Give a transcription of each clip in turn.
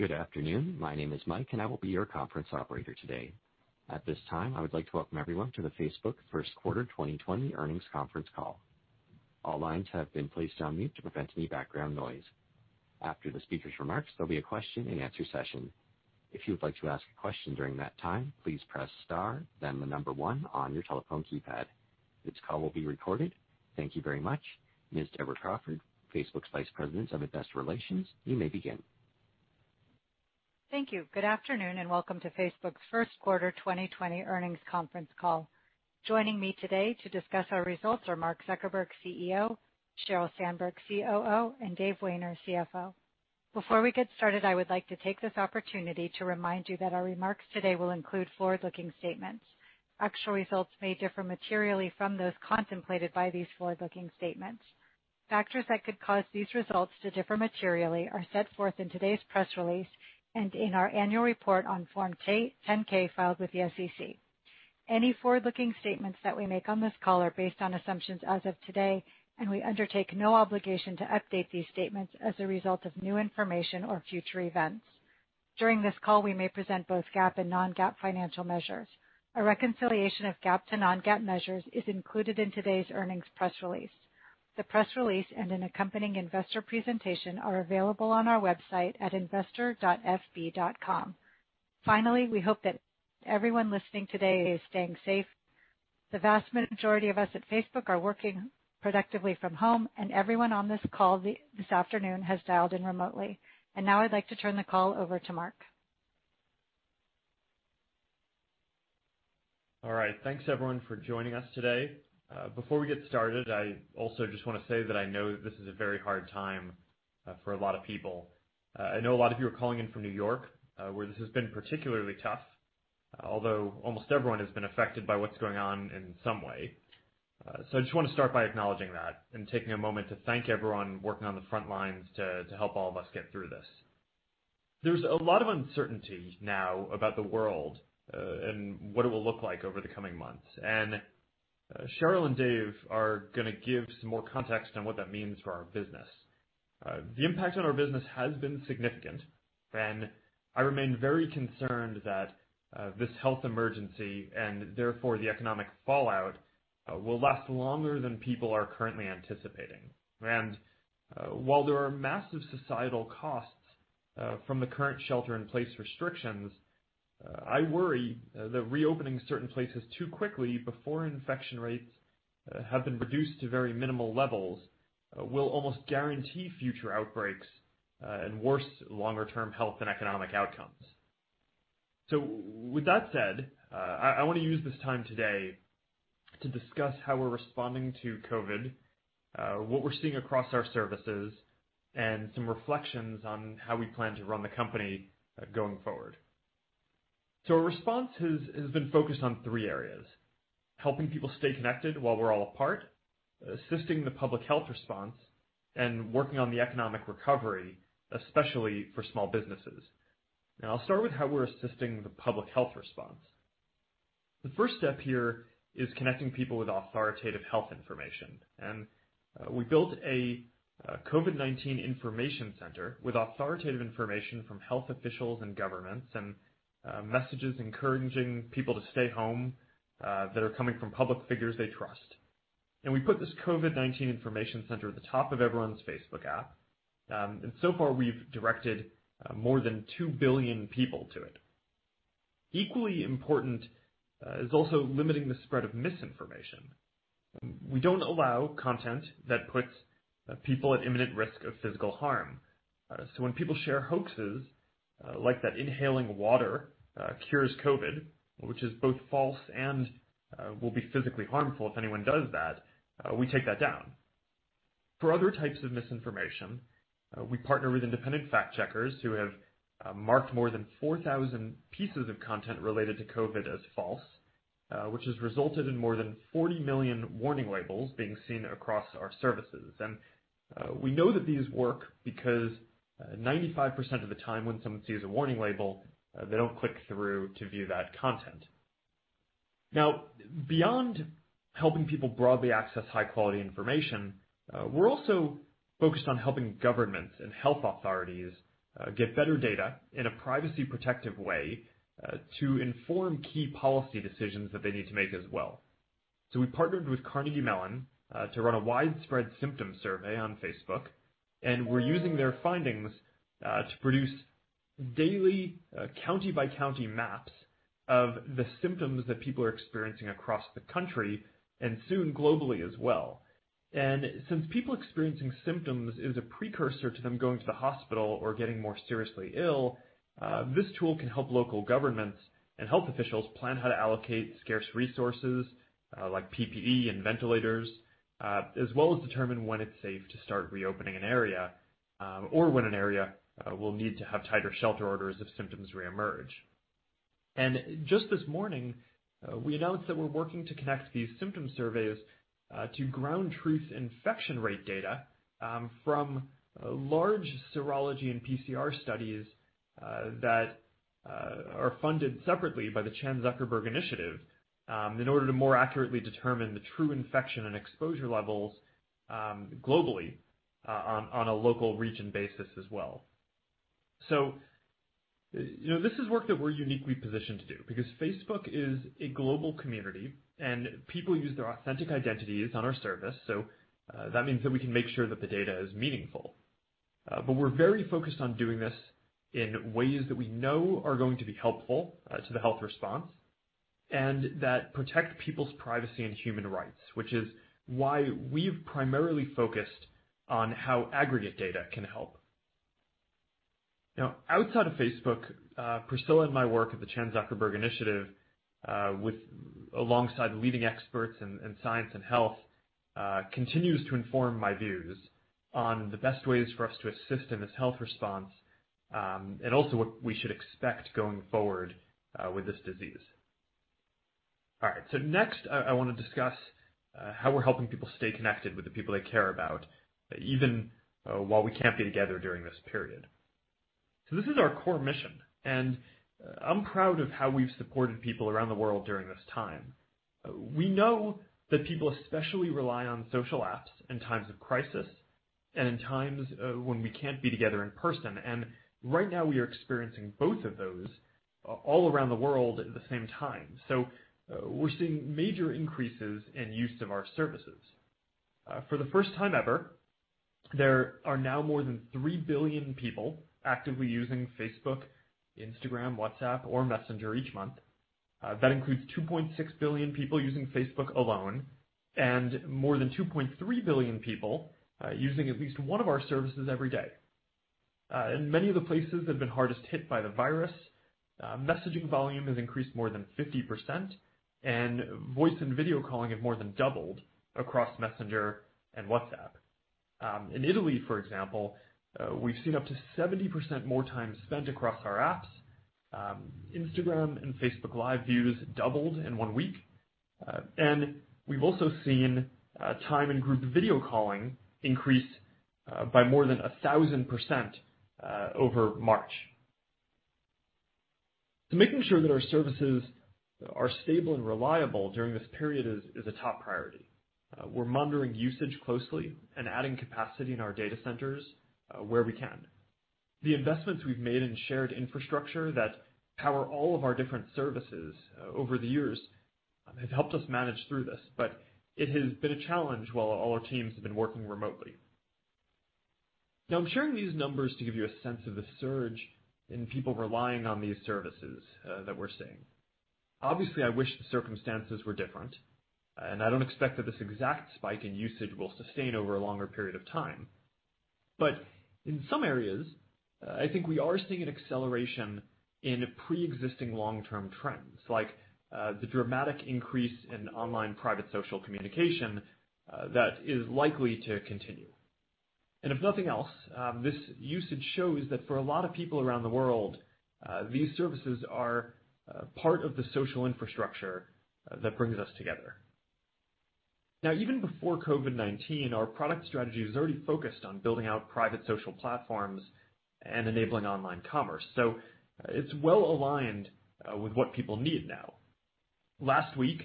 Good afternoon. My name is Mike, and I will be your conference operator today. At this time, I would like to welcome everyone to the Facebook first quarter 2020 earnings conference call. All lines have been placed on mute to prevent any background noise. After the speaker's remarks, there will be a question-and-answer session. If you would like to ask a question during that time, please press star then the number one on your telephone keypad. This call will be recorded. Thank you very much. Ms. Deborah Crawford, Facebook's Vice President of Investor Relations, you may begin. Thank you. Good afternoon, and welcome to Facebook's first quarter 2020 earnings conference call. Joining me today to discuss our results are Mark Zuckerberg, CEO, Sheryl Sandberg, COO, and Dave Wehner, CFO. Before we get started, I would like to take this opportunity to remind you that our remarks today will include forward-looking statements. Actual results may differ materially from those contemplated by these forward-looking statements. Factors that could cause these results to differ materially are set forth in today's press release and in our annual report on Form 10-K filed with the SEC. Any forward-looking statements that we make on this call are based on assumptions as of today, and we undertake no obligation to update these statements as a result of new information or future events. During this call, we may present both GAAP and non-GAAP financial measures. A reconciliation of GAAP to non-GAAP measures is included in today's earnings press release. The press release and an accompanying investor presentation are available on our website at investor.fb.com. Finally, we hope that everyone listening today is staying safe. The vast majority of us at Facebook are working productively from home, and everyone on this call this afternoon has dialed in remotely. Now I'd like to turn the call over to Mark. All right. Thanks, everyone, for joining us today. Before we get started, I also just wanna say that I know this is a very hard time for a lot of people. I know a lot of you are calling in from New York, where this has been particularly tough, although almost everyone has been affected by what's going on in some way. I just wanna start by acknowledging that and taking a moment to thank everyone working on the front lines to help all of us get through this. There's a lot of uncertainty now about the world and what it will look like over the coming months. Sheryl and Dave are gonna give some more context on what that means for our business. The impact on our business has been significant, and I remain very concerned that this health emergency and therefore the economic fallout will last longer than people are currently anticipating. While there are massive societal costs from the current shelter-in-place restrictions, I worry that reopening certain places too quickly before infection rates have been reduced to very minimal levels will almost guarantee future outbreaks and worse longer-term health and economic outcomes. With that said, I wanna use this time today to discuss how we're responding to COVID, what we're seeing across our services, and some reflections on how we plan to run the company going forward. Our response has been focused on three areas: helping people stay connected while we're all apart, assisting the public health response, and working on the economic recovery, especially for small businesses. I'll start with how we're assisting the public health response. The first step here is connecting people with authoritative health information. We built a COVID-19 Information Center with authoritative information from health officials and governments and messages encouraging people to stay home that are coming from public figures they trust. We put this COVID-19 Information Center at the top of everyone's Facebook app. So far, we've directed more than 2 billion people to it. Equally important is also limiting the spread of misinformation. We don't allow content that puts people at imminent risk of physical harm. When people share hoaxes, like that inhaling water, cures COVID, which is both false and will be physically harmful if anyone does that, we take that down. For other types of misinformation, we partner with independent fact-checkers who have marked more than 4,000 pieces of content related to COVID as false, which has resulted in more than 40 million warning labels being seen across our services. We know that these work because 95% of the time when someone sees a warning label, they don't click through to view that content. Beyond helping people broadly access high-quality information, we're also focused on helping governments and health authorities get better data in a privacy-protective way, to inform key policy decisions that they need to make as well. We partnered with Carnegie Mellon to run a widespread symptom survey on Facebook, and we're using their findings to produce daily, county-by-county maps of the symptoms that people are experiencing across the country and soon globally as well. Since people experiencing symptoms is a precursor to them going to the hospital or getting more seriously ill, this tool can help local governments and health officials plan how to allocate scarce resources, like PPE and ventilators, as well as determine when it's safe to start reopening an area, or when an area will need to have tighter shelter orders if symptoms reemerge. Just this morning, we announced that we're working to connect these symptom surveys, to ground truth infection rate data, from large serology and PCR studies. That are funded separately by the Chan Zuckerberg Initiative, in order to more accurately determine the true infection and exposure levels, globally, on a local region basis as well. You know, this is work that we're uniquely positioned to do because Facebook is a global community, and people use their authentic identities on our service, that means that we can make sure that the data is meaningful. But we're very focused on doing this in ways that we know are going to be helpful, to the health response, and that protect people's privacy and human rights, which is why we've primarily focused on how aggregate data can help. Outside of Facebook, Priscilla and my work at the Chan Zuckerberg Initiative alongside leading experts in science and health continues to inform my views on the best ways for us to assist in this health response, and also what we should expect going forward with this disease. All right, next I wanna discuss how we're helping people stay connected with the people they care about, even while we can't be together during this period. This is our core mission, and I'm proud of how we've supported people around the world during this time. We know that people especially rely on social apps in times of crisis and in times when we can't be together in person. Right now we are experiencing both of those all around the world at the same time. We're seeing major increases in use of our services. For the first time ever, there are now more than 3 billion people actively using Facebook, Instagram, WhatsApp, or Messenger each month. That includes 2.6 billion people using Facebook alone and more than 2.3 billion people using at least one of our services every day. In many of the places that have been hardest hit by the virus, messaging volume has increased more than 50%, and voice and video calling have more than doubled across Messenger and WhatsApp. In Italy, for example, we've seen up to 70% more time spent across our apps. Instagram and Facebook Live views doubled in one week. We've also seen time in group video calling increase by more than 1,000% over March. Making sure that our services are stable and reliable during this period is a top priority. We're monitoring usage closely and adding capacity in our data centers where we can. The investments we've made in shared infrastructure that power all of our different services over the years have helped us manage through this, but it has been a challenge while all our teams have been working remotely. I'm sharing these numbers to give you a sense of the surge in people relying on these services that we're seeing. Obviously, I wish the circumstances were different, and I don't expect that this exact spike in usage will sustain over a longer period of time. In some areas, I think we are seeing an acceleration in preexisting long-term trends, like the dramatic increase in online private social communication that is likely to continue. If nothing else, this usage shows that for a lot of people around the world, these services are part of the social infrastructure that brings us together. Even before COVID-19, our product strategy was already focused on building out private social platforms and enabling online commerce. It's well aligned with what people need now. Last week,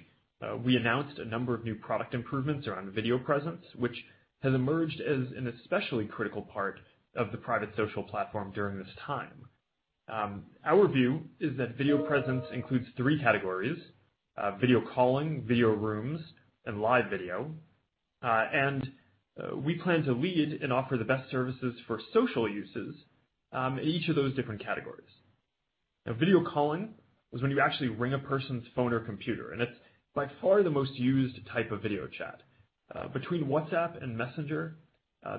we announced a number of new product improvements around video presence, which has emerged as an especially critical part of the private social platform during this time. Our view is that video presence includes three categories: video calling, video rooms, and live video. We plan to lead and offer the best services for social uses in each of those different categories. Video calling is when you actually ring a person's phone or computer, and it's by far the most used type of video chat. Between WhatsApp and Messenger,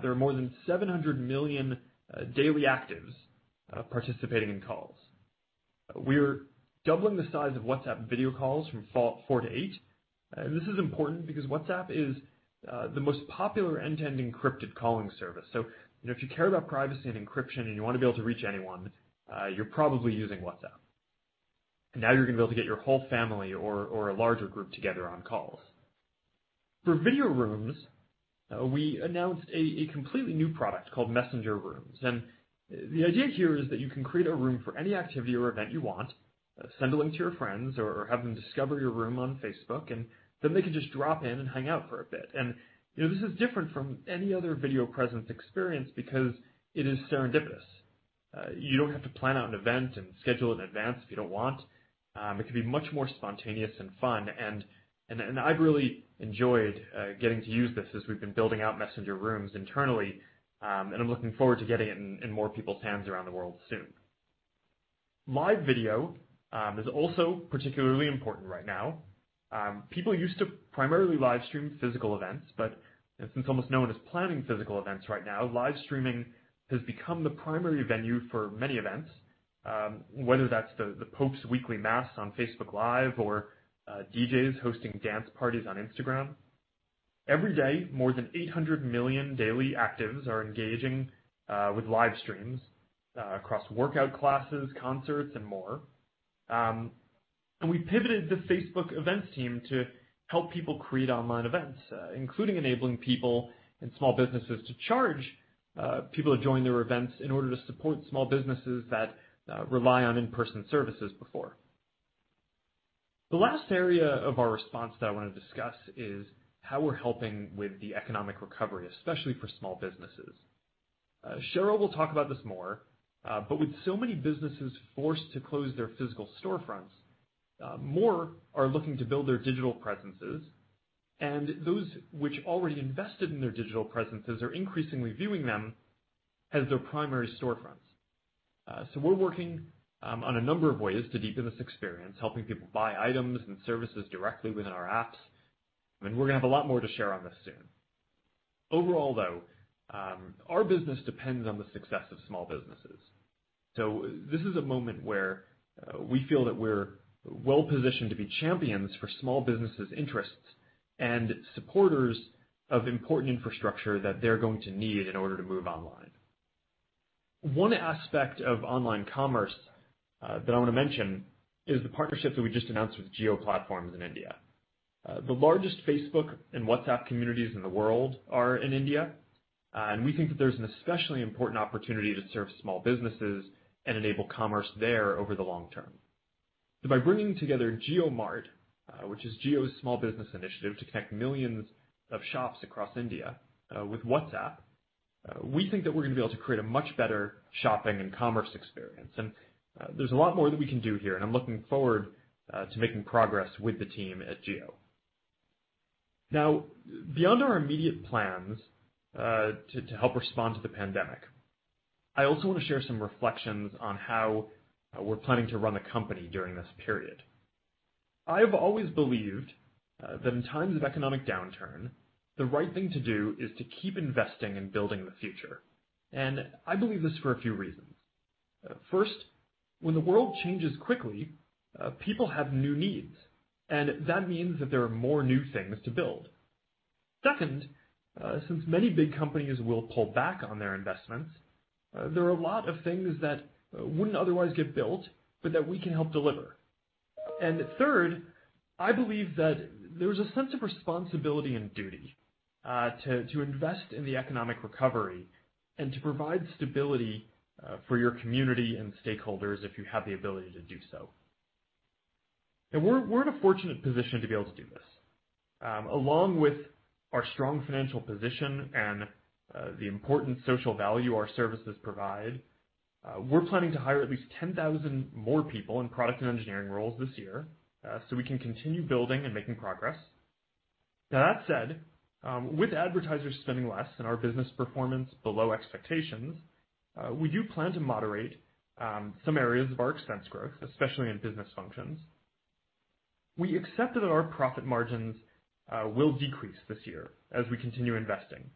there are more than 700 million daily actives participating in calls. We're doubling the size of WhatsApp video calls from four to eight. This is important because WhatsApp is the most popular end-to-end encrypted calling service. You know, if you care about privacy and encryption, and you want to be able to reach anyone, you're probably using WhatsApp. You're gonna be able to get your whole family or a larger group together on calls. For video rooms, we announced a completely new product called Messenger Rooms. The idea here is that you can create a room for any activity or event you want, send a link to your friends or have them discover your room on Facebook, then they can just drop in and hang out for a bit. You know, this is different from any other video presence experience because it is serendipitous. You don't have to plan out an event and schedule in advance if you don't want. It can be much more spontaneous and fun. I've really enjoyed getting to use this as we've been building out Messenger Rooms internally. I'm looking forward to getting it in more people's hands around the world soon. Live video is also particularly important right now. People used to primarily live stream physical events, but since almost no one is planning physical events right now, live streaming has become the primary venue for many events, whether that's the Pope's weekly mass on Facebook Live or DJs hosting dance parties on Instagram. Every day, more than 800 million daily actives are engaging with live streams across workout classes, concerts, and more. We pivoted the Facebook events team to help people create online events, including enabling people and small businesses to charge people to join their events in order to support small businesses that rely on in-person services before. The last area of our response that I wanna discuss is how we're helping with the economic recovery, especially for small businesses. Sheryl will talk about this more, but with so many businesses forced to close their physical storefronts, more are looking to build their digital presences. Those which already invested in their digital presences are increasingly viewing them as their primary storefronts. We're working on a number of ways to deepen this experience, helping people buy items and services directly within our apps, and we're gonna have a lot more to share on this soon. Overall, though, our business depends on the success of small businesses. This is a moment where we feel that we're well-positioned to be champions for small businesses' interests and supporters of important infrastructure that they're going to need in order to move online. One aspect of online commerce that I wanna mention is the partnership that we just announced with Jio Platforms in India. The largest Facebook and WhatsApp communities in the world are in India, and we think that there's an especially important opportunity to serve small businesses and enable commerce there over the long term. By bringing together JioMart, which is Jio's small business initiative to connect millions of shops across India, with WhatsApp, we think that we're gonna be able to create a much better shopping and commerce experience. There's a lot more that we can do here, and I'm looking forward to making progress with the team at Jio. Beyond our immediate plans to help respond to the pandemic, I also wanna share some reflections on how we're planning to run the company during this period. I've always believed that in times of economic downturn, the right thing to do is to keep investing and building the future. I believe this for a few reasons. First, when the world changes quickly, people have new needs, and that means that there are more new things to build. Second, since many big companies will pull back on their investments, there are a lot of things that wouldn't otherwise get built, but that we can help deliver. Third, I believe that there's a sense of responsibility and duty to invest in the economic recovery and to provide stability for your community and stakeholders if you have the ability to do so. We're in a fortunate position to be able to do this. Along with our strong financial position and the important social value our services provide, we're planning to hire at least 10,000 more people in product and engineering roles this year, so we can continue building and making progress. Now, that said, with advertisers spending less and our business performance below expectations, we do plan to moderate some areas of our expense growth, especially in business functions. We accept that our profit margins will decrease this year as we continue investing.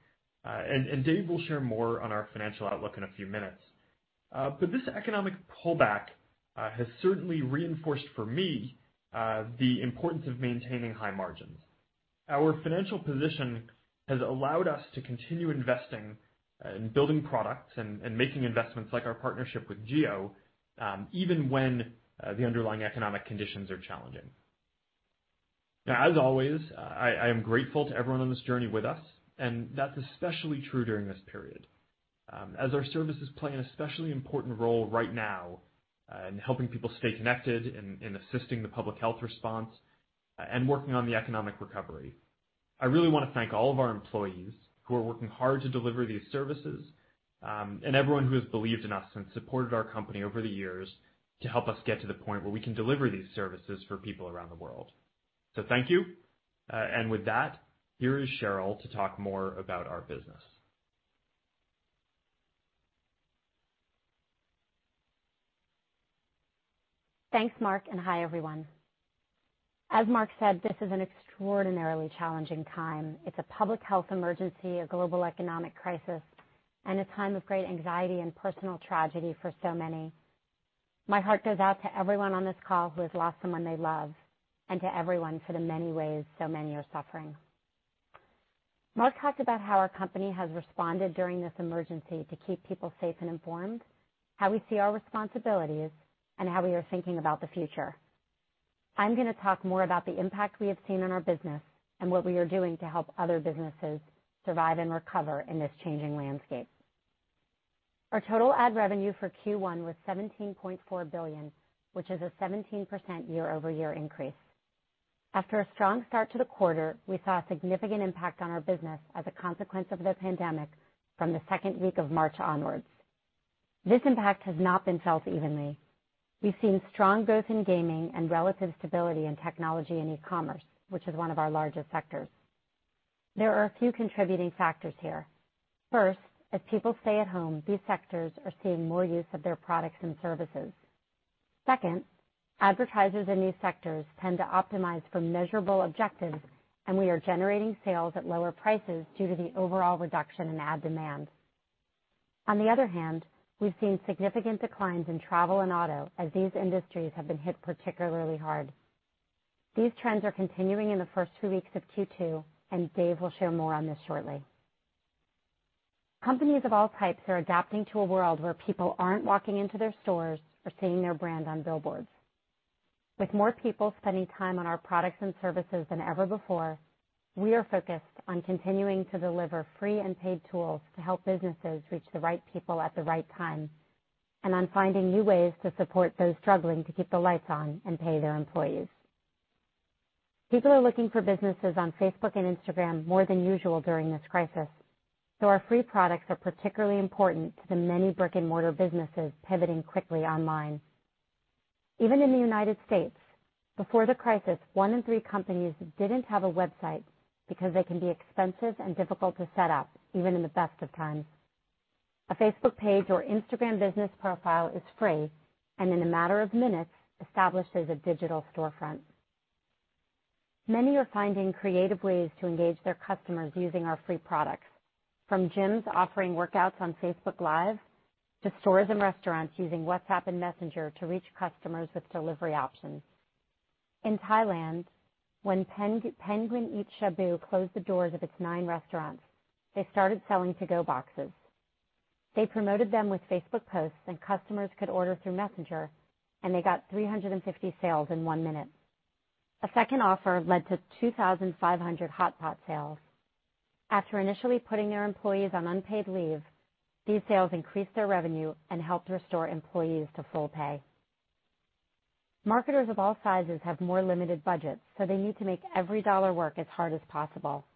Dave will share more on our financial outlook in a few minutes. This economic pullback has certainly reinforced for me the importance of maintaining high margins. Our financial position has allowed us to continue investing and building products and making investments like our partnership with Jio, even when the underlying economic conditions are challenging. As always, I am grateful to everyone on this journey with us, and that's especially true during this period. As our services play an especially important role right now, in helping people stay connected and assisting the public health response, and working on the economic recovery. I really wanna thank all of our employees who are working hard to deliver these services, and everyone who has believed in us and supported our company over the years to help us get to the point where we can deliver these services for people around the world. Thank you, and with that, here is Sheryl to talk more about our business. Thanks, Mark. Hi, everyone. As Mark said, this is an extraordinarily challenging time. It's a public health emergency, a global economic crisis, a time of great anxiety and personal tragedy for so many. My heart goes out to everyone on this call who has lost someone they love, to everyone for the many ways so many are suffering. Mark talked about how our company has responded during this emergency to keep people safe and informed, how we see our responsibilities, how we are thinking about the future. I'm gonna talk more about the impact we have seen on our business, what we are doing to help other businesses survive and recover in this changing landscape. Our total ad revenue for Q1 was $17.4 billion, which is a 17% year-over-year increase. After a strong start to the quarter, we saw a significant impact on our business as a consequence of the pandemic from the second week of March onwards. This impact has not been felt evenly. We've seen strong growth in gaming and relative stability in technology and e-commerce, which is one of our largest sectors. There are a few contributing factors here. First, as people stay at home, these sectors are seeing more use of their products and services. Second, advertisers in these sectors tend to optimize for measurable objectives, and we are generating sales at lower prices due to the overall reduction in ad demand. On the other hand, we've seen significant declines in travel and auto, as these industries have been hit particularly hard. These trends are continuing in the first two weeks of Q2, and Dave will share more on this shortly. Companies of all types are adapting to a world where people aren't walking into their stores or seeing their brand on billboards. With more people spending time on our products and services than ever before, we are focused on continuing to deliver free and paid tools to help businesses reach the right people at the right time, and on finding new ways to support those struggling to keep the lights on and pay their employees. People are looking for businesses on Facebook and Instagram more than usual during this crisis, so our free products are particularly important to the many brick-and-mortar businesses pivoting quickly online. Even in the United States., before the crisis, one in three companies didn't have a website because they can be expensive and difficult to set up, even in the best of times. A Facebook page or Instagram business profile is free, and in a matter of minutes establishes a digital storefront. Many are finding creative ways to engage their customers using our free products, from gyms offering workouts on Facebook Live to stores and restaurants using WhatsApp and Messenger to reach customers with delivery options. In Thailand, when Penguin Eat Shabu closed the doors of its nine restaurants, they started selling to-go boxes. They promoted them with Facebook posts, and customers could order through Messenger, and they got 350 sales in one minute. A second offer led to 2,500 hot pot sales. After initially putting their employees on unpaid leave, these sales increased their revenue and helped restore employees to full pay. Marketers of all sizes have more limited budgets, so they need to make every dollar work as hard as possible.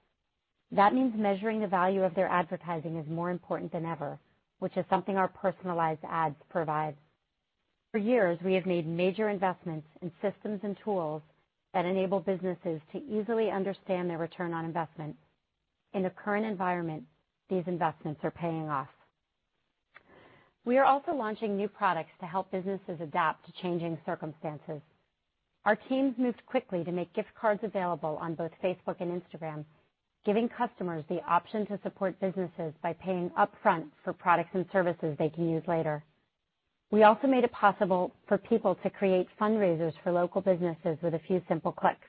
That means measuring the value of their advertising is more important than ever, which is something our personalized ads provide. For years, we have made major investments in systems and tools that enable businesses to easily understand their return on investment. In the current environment, these investments are paying off. We are also launching new products to help businesses adapt to changing circumstances. Our teams moved quickly to make gift cards available on both Facebook and Instagram, giving customers the option to support businesses by paying upfront for products and services they can use later. We also made it possible for people to create fundraisers for local businesses with a few simple clicks.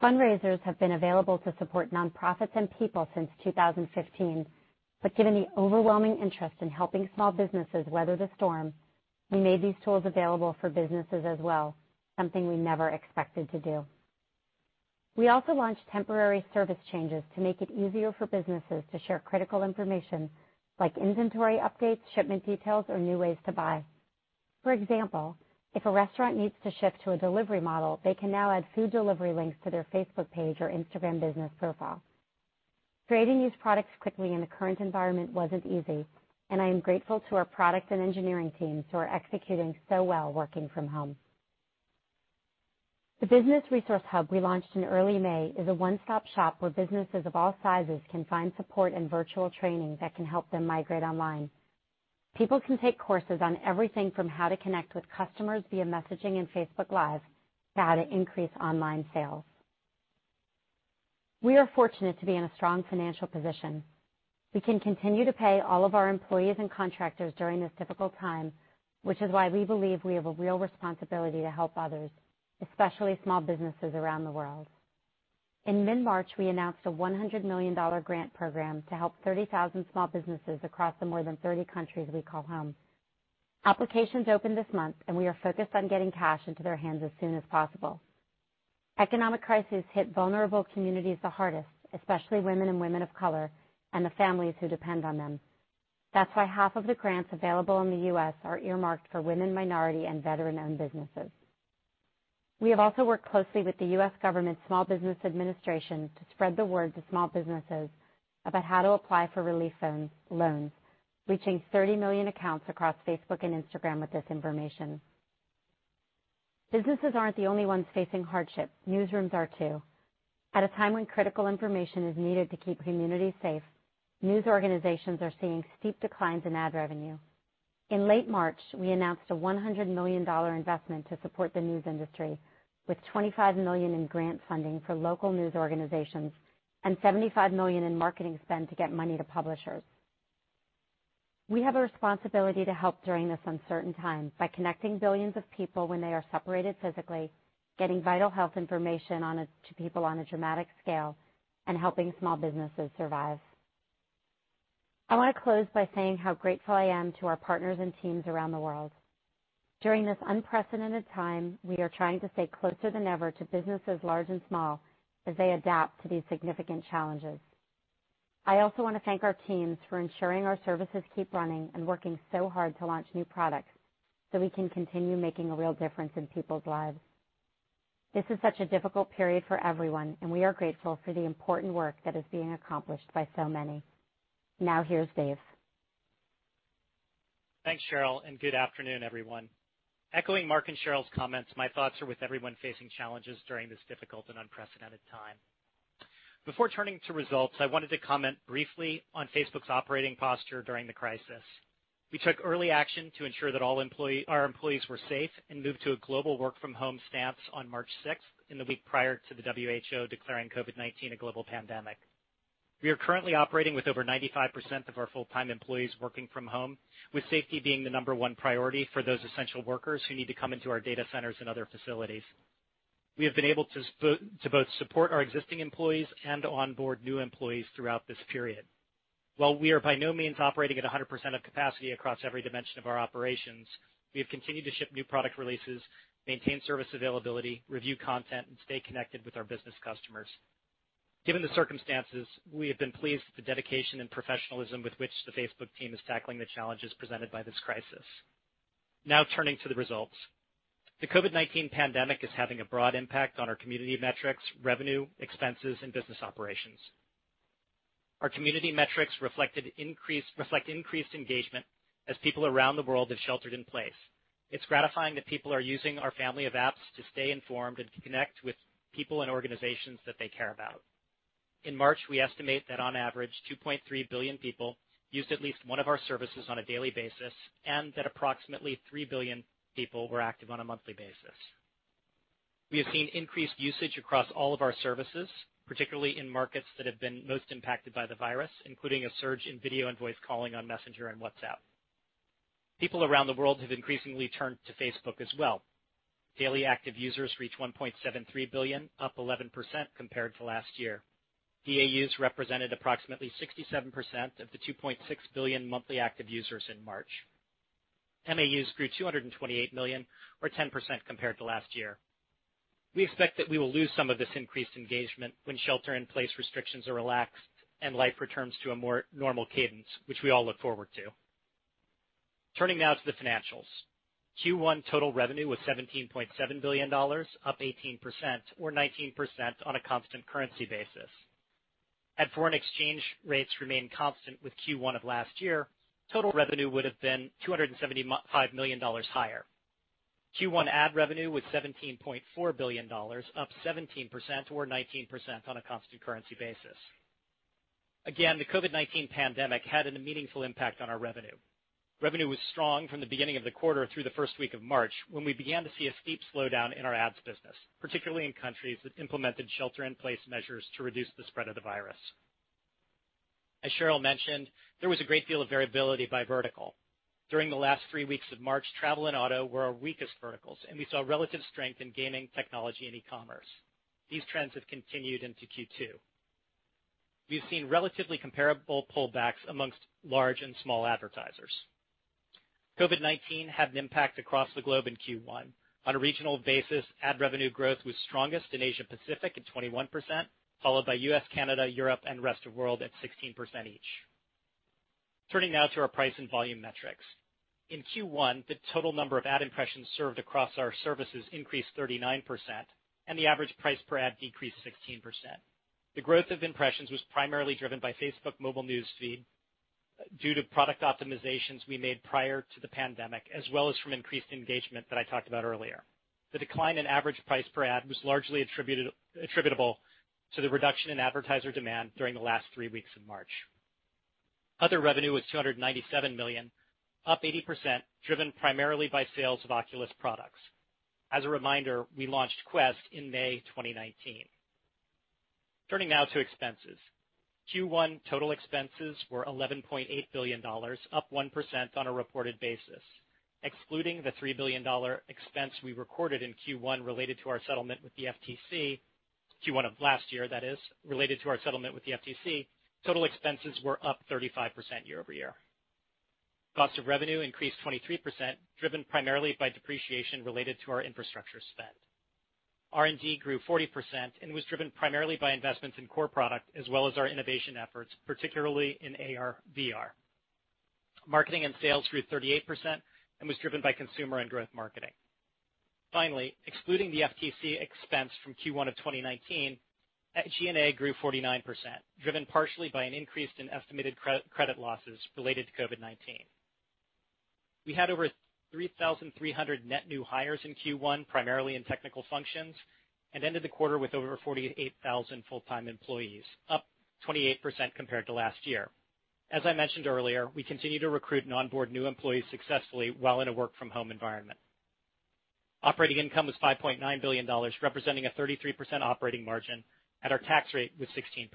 Fundraisers have been available to support nonprofits and people since 2015, but given the overwhelming interest in helping small businesses weather the storm, we made these tools available for businesses as well, something we never expected to do. We also launched temporary service changes to make it easier for businesses to share critical information, like inventory updates, shipment details, or new ways to buy. For example, if a restaurant needs to shift to a delivery model, they can now add food delivery links to their Facebook page or Instagram business profile. Creating these products quickly in the current environment wasn't easy, and I am grateful to our product and engineering teams who are executing so well working from home. The business resource hub we launched in early May is a one-stop shop where businesses of all sizes can find support and virtual training that can help them migrate online. People can take courses on everything from how to connect with customers via messaging and Facebook Live to how to increase online sales. We are fortunate to be in a strong financial position. We can continue to pay all of our employees and contractors during this difficult time, which is why we believe we have a real responsibility to help others, especially small businesses around the world. In mid-March, we announced a $100 million grant program to help 30,000 small businesses across the more than 30 countries we call home. Applications opened this month, we are focused on getting cash into their hands as soon as possible. Economic crises hit vulnerable communities the hardest, especially women and women of color, and the families who depend on them. That's why half of the grants available in the U.S. are earmarked for women, minority, and veteran-owned businesses. We have also worked closely with the U.S. government Small Business Administration to spread the word to small businesses about how to apply for relief loans, reaching 30 million accounts across Facebook and Instagram with this information. Businesses aren't the only ones facing hardship. Newsrooms are too. At a time when critical information is needed to keep communities safe, news organizations are seeing steep declines in ad revenue. In late March, we announced a $100 million investment to support the news industry, with $25 million in grant funding for local news organizations and $75 million in marketing spend to get money to publishers. We have a responsibility to help during this uncertain time by connecting billions of people when they are separated physically, getting vital health information to people on a dramatic scale, and helping small businesses survive. I want to close by saying how grateful I am to our partners and teams around the world. During this unprecedented time, we are trying to stay closer than ever to businesses large and small as they adapt to these significant challenges. I also want to thank our teams for ensuring our services keep running and working so hard to launch new products so we can continue making a real difference in people's lives. This is such a difficult period for everyone, and we are grateful for the important work that is being accomplished by so many. Now here's Dave. Thanks, Sheryl, and good afternoon, everyone. Echoing Mark and Sheryl's comments, my thoughts are with everyone facing challenges during this difficult and unprecedented time. Before turning to results, I wanted to comment briefly on Facebook's operating posture during the crisis. We took early action to ensure that our employees were safe and moved to a global work-from-home stance on March 6th in the week prior to the WHO declaring COVID-19 a global pandemic. We are currently operating with over 95% of our full-time employees working from home, with safety being the number-one priority for those essential workers who need to come into our data centers and other facilities. We have been able to both support our existing employees and onboard new employees throughout this period. While we are by no means operating at 100% of capacity across every dimension of our operations, we have continued to ship new product releases, maintain service availability, review content, and stay connected with our business customers. Given the circumstances, we have been pleased with the dedication and professionalism with which the Facebook team is tackling the challenges presented by this crisis. Now turning to the results. The COVID-19 pandemic is having a broad impact on our community metrics, revenue, expenses, and business operations. Our community metrics reflect increased engagement as people around the world have sheltered in place. It's gratifying that people are using our family of apps to stay informed and to connect with people and organizations that they care about. In March, we estimate that on average, 2.3 billion people used at least one of our services on a daily basis, and that approximately 3 billion people were active on a monthly basis. We have seen increased usage across all of our services, particularly in markets that have been most impacted by the virus, including a surge in video and voice calling on Messenger and WhatsApp. People around the world have increasingly turned to Facebook as well. Daily active users reach 1.73 billion, up 11% compared to last year. DAUs represented approximately 67% of the 2.6 billion monthly active users in March. MAUs grew 228 million, or 10% compared to last year. We expect that we will lose some of this increased engagement when shelter in place restrictions are relaxed and life returns to a more normal cadence, which we all look forward to. Turning now to the financials. Q1 total revenue was $17.7 billion, up 18% or 19% on a constant currency basis. Had foreign exchange rates remained constant with Q1 of last year, total revenue would have been $275 million higher. Q1 ad revenue was $17.4 billion, up 17% or 19% on a constant currency basis. Again, the COVID-19 pandemic had a meaningful impact on our revenue. Revenue was strong from the beginning of the quarter through the first week of March, when we began to see a steep slowdown in our ads business, particularly in countries that implemented shelter in place measures to reduce the spread of the virus. As Sheryl mentioned, there was a great deal of variability by vertical. During the last three weeks of March, travel and auto were our weakest verticals, and we saw relative strength in gaming, technology, and e-commerce. These trends have continued into Q2. We've seen relatively comparable pullbacks amongst large and small advertisers. COVID-19 had an impact across the globe in Q1. On a regional basis, ad revenue growth was strongest in Asia Pacific at 21%, followed by U.S., Canada, Europe, and rest of world at 16% each. Turning now to our price and volume metrics. In Q1, the total number of ad impressions served across our services increased 39%, and the average price per ad decreased 16%. The growth of impressions was primarily driven by Facebook mobile News Feed, due to product optimizations we made prior to the pandemic, as well as from increased engagement that I talked about earlier. The decline in average price per ad was largely attributable to the reduction in advertiser demand during the last three weeks of March. Other revenue was $297 million, up 80%, driven primarily by sales of Oculus products. As a reminder, we launched Quest in May 2019. Turning now to expenses. Q1 total expenses were $11.8 billion, up 1% on a reported basis. Excluding the $3 billion expense we recorded in Q1 related to our settlement with the FTC, Q1 of last year, that is, related to our settlement with the FTC, total expenses were up 35% year-over-year. Cost of revenue increased 23%, driven primarily by depreciation related to our infrastructure spend. R&D grew 40% and was driven primarily by investments in core products as well as our innovation efforts, particularly in AR/VR. Marketing and sales grew 38% and was driven by consumer and growth marketing. Finally, excluding the FTC expense from Q1 of 2019, G&A grew 49%, driven partially by an increase in estimated credit losses related to COVID-19. We had over 3,300 net new hires in Q1, primarily in technical functions, and ended the quarter with over 48,000 full-time employees, up 28% compared to last year. As I mentioned earlier, we continue to recruit and onboard new employees successfully while in a work from home environment. Operating income was $5.9 billion, representing a 33% operating margin, and our tax rate was 16%.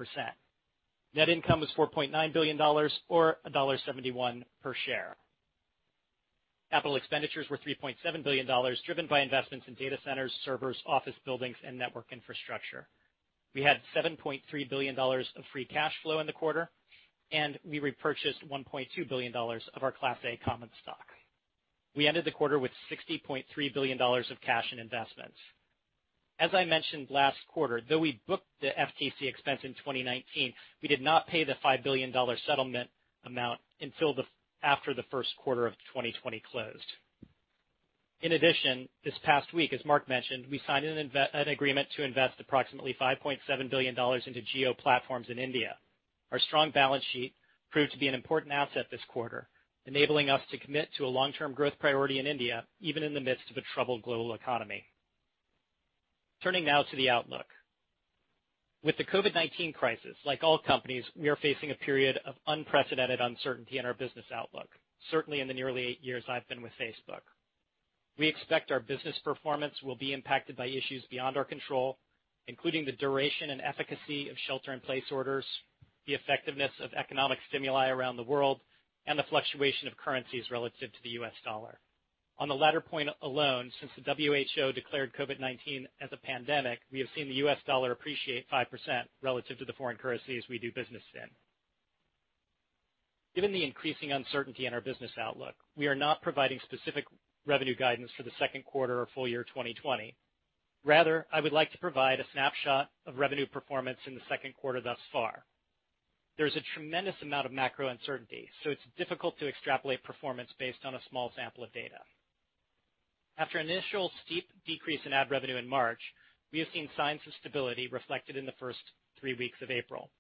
Net income was $4.9 billion or $1.71 per share. CapEx were $3.7 billion, driven by investments in data centers, servers, office buildings, and network infrastructure. We had $7.3 billion of free cash flow in the quarter, and we repurchased $1.2 billion of our Class A common stock. We ended the quarter with $60.3 billion of cash and investments. As I mentioned last quarter, though we booked the FTC expense in 2019, we did not pay the $5 billion settlement amount until after the first quarter of 2020 closed. In addition, this past week, as Mark mentioned, we signed an agreement to invest approximately $5.7 billion into Jio Platforms in India. Our strong balance sheet proved to be an important asset this quarter, enabling us to commit to a long-term growth priority in India, even in the midst of a troubled global economy. Turning now to the outlook. With the COVID-19 crisis, like all companies, we are facing a period of unprecedented uncertainty in our business outlook, certainly in the nearly eight years I've been with Facebook. We expect our business performance will be impacted by issues beyond our control. Including the duration and efficacy of shelter-in-place orders, the effectiveness of economic stimuli around the world, and the fluctuation of currencies relative to the U.S. dollar. On the latter point alone, since the WHO declared COVID-19 as a pandemic, we have seen the U.S. dollar appreciate 5% relative to the foreign currencies we do business in. Given the increasing uncertainty in our business outlook, we are not providing specific revenue guidance for the second quarter or full year 2020. Rather, I would like to provide a snapshot of revenue performance in the second quarter thus far. There's a tremendous amount of macro uncertainty, so it's difficult to extrapolate performance based on a small sample of data. After initial steep decrease in ad revenue in March, we have seen signs of stability reflected in the first three weeks of April.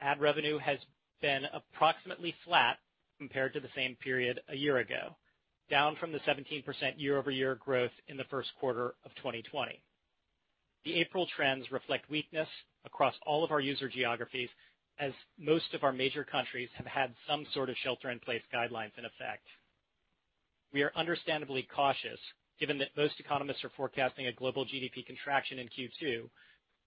Ad revenue has been approximately flat compared to the same period a year ago, down from the 17% year-over-year growth in the first quarter of 2020. The April trends reflect weakness across all of our user geographies, as most of our major countries have had some sort of shelter-in-place guidelines in effect. We are understandably cautious given that most economists are forecasting a global GDP contraction in Q2,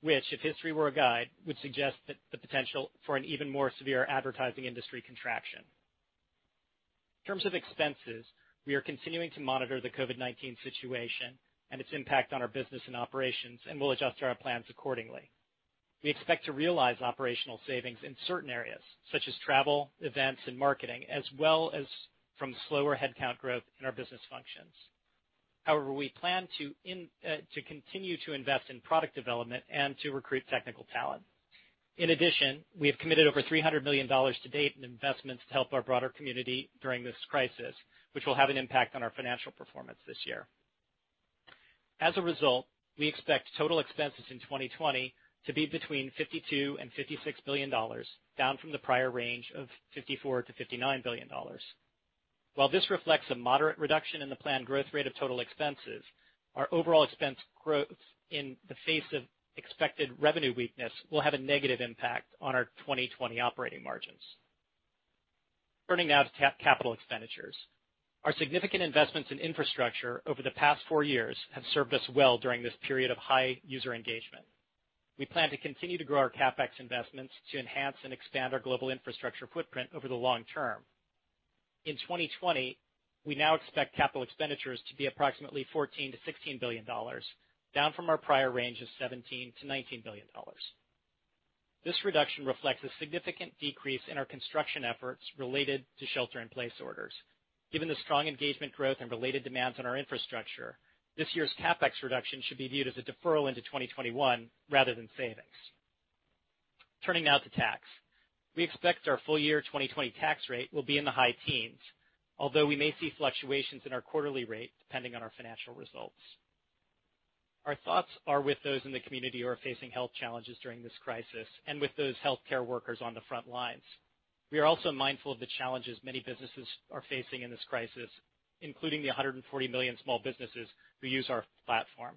which, if history were a guide, would suggest the potential for an even more severe advertising industry contraction. In terms of expenses, we are continuing to monitor the COVID-19 situation and its impact on our business and operations, we'll adjust our plans accordingly. We expect to realize operational savings in certain areas such as travel, events, and marketing, as well as from slower headcount growth in our business functions. However, we plan to continue to invest in product development and to recruit technical talent. In addition, we have committed over $300 million to date in investments to help our broader community during this crisis, which will have an impact on our financial performance this year. As a result, we expect total expenses in 2020 to be between $52 billion and $56 billion, down from the prior range of $54 billion-$59 billion. While this reflects a moderate reduction in the planned growth rate of total expenses, our overall expense growth in the face of expected revenue weakness will have a negative impact on our 2020 operating margins. Turning now to capital expenditures. Our significant investments in infrastructure over the past four years have served us well during this period of high user engagement. We plan to continue to grow our CapEx investments to enhance and expand our global infrastructure footprint over the long term. In 2020, we now expect capital expenditures to be approximately $14 billion-$16 billion, down from our prior range of $17 billion-$19 billion. This reduction reflects a significant decrease in our construction efforts related to shelter-in-place orders. Given the strong engagement growth and related demands on our infrastructure, this year's CapEx reduction should be viewed as a deferral into 2021 rather than savings. Turning now to tax. We expect our full-year 2020 tax rate will be in the high teens, although we may see fluctuations in our quarterly rate, depending on our financial results. Our thoughts are with those in the community who are facing health challenges during this crisis and with those healthcare workers on the front lines. We are also mindful of the challenges many businesses are facing in this crisis, including the 140 million small businesses who use our platform.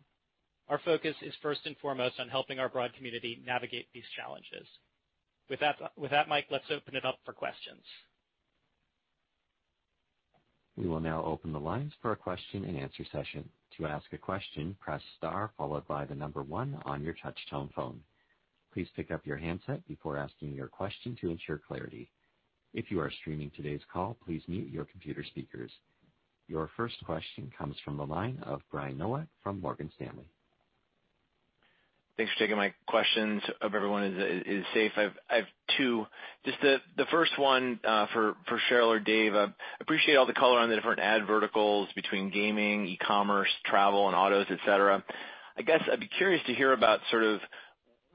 Our focus is first and foremost on helping our broad community navigate these challenges. With that, Mike, let's open it up for questions. We will now open the lines for a question-and-answer session. To ask a question, press star followed by one on your touchtone phone. Please pick up your handset before asking your question to ensure clarity. If you are streaming today's call, please mute your computer speakers. Your first question comes from the line of Brian Nowak from Morgan Stanley. Thanks for taking my questions. I hope everyone is safe. I've two. Just the first one for Sheryl or Dave. Appreciate all the color on the different ad verticals between gaming, e-commerce, travel, and autos, et cetera. I guess I'd be curious to hear about sort of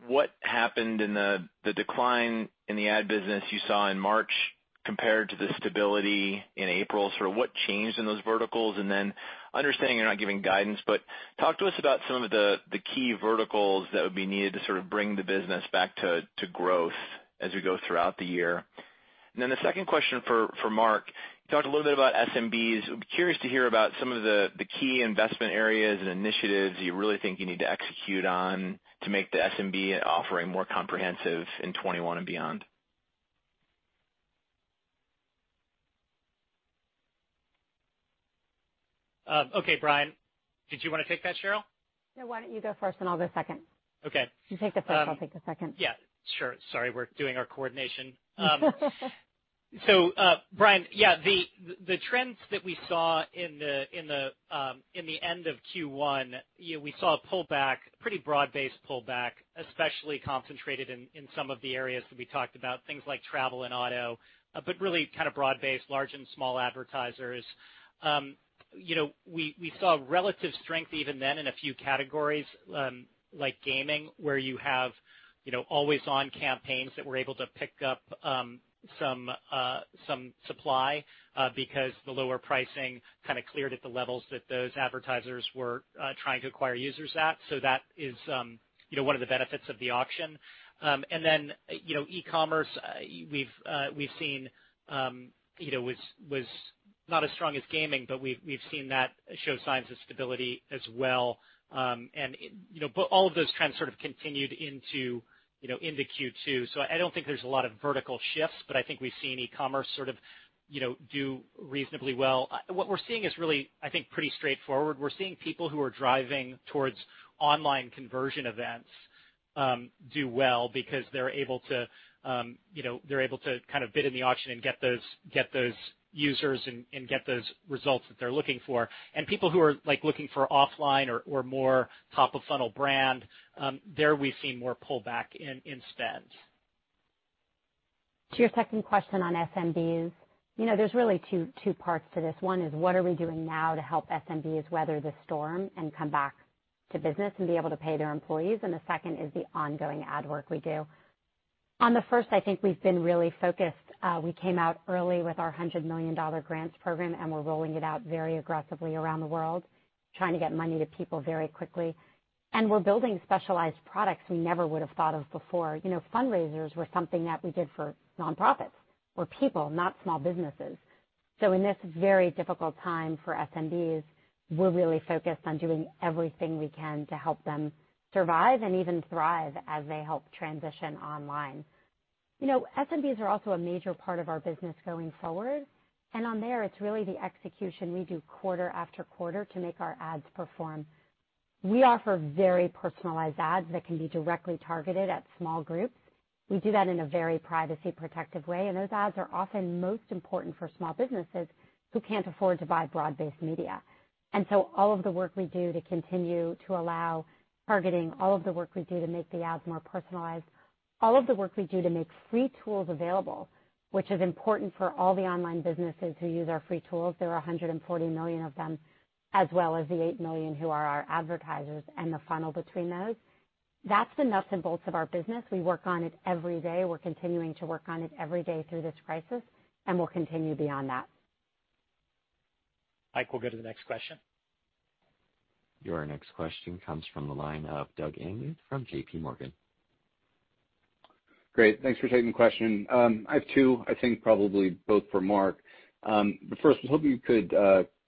what happened in the decline in the ad business you saw in March compared to the stability in April. Sort of what changed in those verticals? Understanding you're not giving guidance, but talk to us about some of the key verticals that would be needed to sort of bring the business back to growth as we go throughout the year. The second question for Mark. You talked a little bit about SMBs. I'd be curious to hear about some of the key investment areas and initiatives you really think you need to execute on to make the SMB offering more comprehensive in 21 and beyond. Okay, Brian. Did you wanna take that, Sheryl? No, why don't you go first, and I'll go second. Okay. You take the first, I'll take the second. Yeah, sure. Sorry, we're doing our coordination. Brian, yeah, the trends that we saw in the end of Q1, you know, we saw a pullback, a pretty broad-based pullback, especially concentrated in some of the areas that we talked about, things like travel and auto, but really kind of broad-based, large and small advertisers. You know, we saw relative strength even then in a few categories, like gaming, where you have, you know, always-on campaigns that were able to pick up some supply, because the lower pricing kind of cleared at the levels that those advertisers were trying to acquire users at. That is, you know, one of the benefits of the auction. Then, you know, e-commerce, we've seen, you know, was not as strong as gaming, we've seen that show signs of stability as well. You know, all of those kind of, sort of continued into, you know, into Q2. I don't think there's a lot of vertical shifts, but I think we've seen e-commerce sort of, you know, do reasonably well. What we're seeing is really, I think, pretty straightforward. We're seeing people who are driving towards online conversion events do well because they're able to, you know, they're able to kind of bid in the auction and get those users and get those results that they're looking for. People who are, like, looking for offline or more top-of-funnel brand, there we've seen more pullback in spend. To your second question on SMBs. You know, there's really two parts to this. One is what are we doing now to help SMBs weather this storm and come back to business and be able to pay their employees, and the second is the ongoing ad work we do. On the first, I think we've been really focused. We came out early with our $100 million grants program, and we're rolling it out very aggressively around the world, trying to get money to people very quickly. And we're building specialized products we never would have thought of before. You know, fundraisers were something that we did for nonprofits or people, not small businesses. So in this very difficult time for SMBs, we're really focused on doing everything we can to help them survive and even thrive as they help transition online. You know, SMBs are also a major part of our business going forward, and on there, it's really the execution we do quarter after quarter to make our ads perform. We offer very personalized ads that can be directly targeted at small groups. We do that in a very privacy-protective way, and those ads are often most important for small businesses who can't afford to buy broad-based media. All of the work we do to continue to allow targeting, all of the work we do to make the ads more personalized, all of the work we do to make free tools available, which is important for all the online businesses who use our free tools. There are 140 million of them, as well as the 8 million who are our advertisers and the funnel between those. That's the nuts and bolts of our business. We work on it every day. We're continuing to work on it every day through this crisis, and we'll continue beyond that. Mike, we'll go to the next question. Your next question comes from the line of Doug Anmuth from JPMorgan. Great. Thanks for taking the question. I have two, I think probably both for Mark. First, I was hoping you could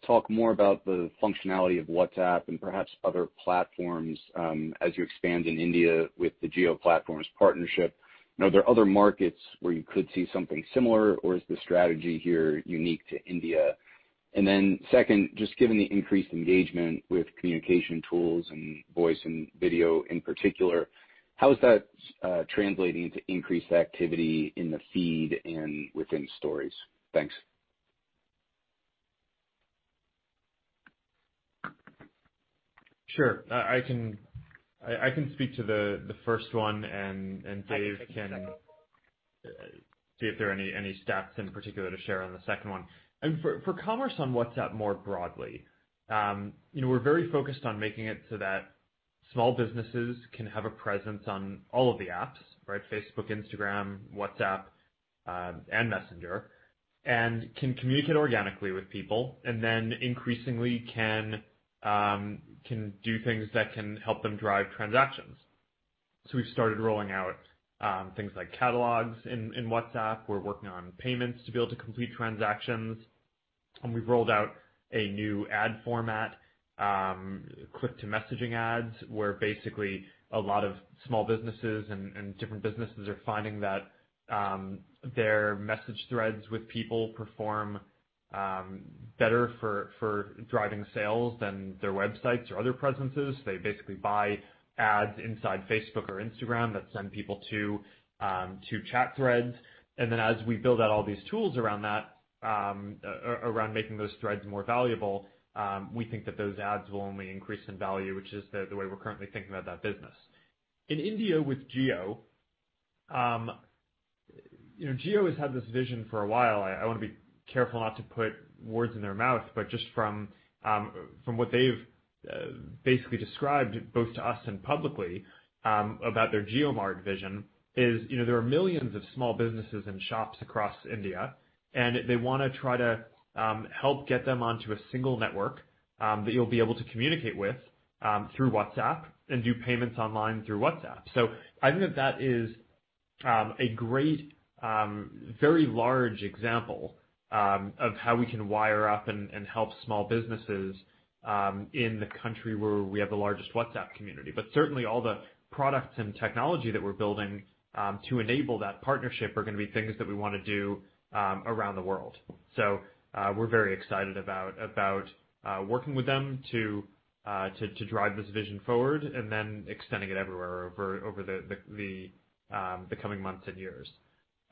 talk more about the functionality of WhatsApp and perhaps other platforms, as you expand in India with the Jio Platforms partnership. Are there other markets where you could see something similar, or is the strategy here unique to India? Second, just given the increased engagement with communication tools and voice and video in particular, how is that translating into increased activity in the feed and within Stories? Thanks. Sure. I can speak to the first one and Dave. I can take the second one. See if there are any stats in particular to share on the second one. For commerce on WhatsApp more broadly, you know, we're very focused on making it so that small businesses can have a presence on all of the apps. Facebook, Instagram, WhatsApp, Messenger, can communicate organically with people, increasingly can do things that can help them drive transactions. We've started rolling out things like catalogs in WhatsApp. We're working on payments to be able to complete transactions. We've rolled out a new ad format, click-to-messaging ads, where basically a lot of small businesses and different businesses are finding that their message threads with people perform better for driving sales than their websites or other presences. They basically buy ads inside Facebook or Instagram that send people to chat threads. As we build out all these tools around that, around making those threads more valuable, we think that those ads will only increase in value, which is the way we're currently thinking about that business. In India with Jio, you know, Jio has had this vision for a while. I wanna be careful not to put words in their mouth, but just from what they've basically described both to us and publicly, about their JioMart vision is, you know, there are millions of small businesses and shops across India, and they wanna try to help get them onto a single network that you'll be able to communicate with through WhatsApp and do payments online through WhatsApp. I think that is a great, very large example of how we can wire up and help small businesses in the country where we have the largest WhatsApp community. Certainly, all the products and technology that we're building to enable that partnership are gonna be things that we wanna do around the world. We're very excited about working with them to drive this vision forward and then extending it everywhere over the coming months and years.